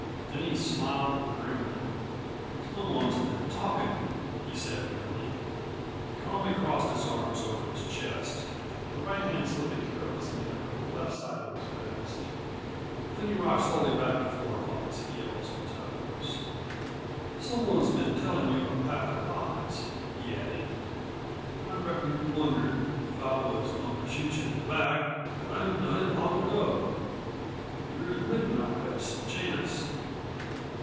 Then he smiled grimly. "Some one's been talkin'," he said evenly. He calmly crossed his arms over his chest, the right hand slipping carelessly under the left side of his vest. Then he rocked slowly back and forth on his heels and toes. "Someone's been tellin' you a pack of lies," he added. "I reckon you've wondered, if I was goin' to shoot you in the back, that I ain't done it long ago. You're admittin' that I've had some chance."